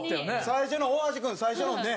最初の大橋君最初のね。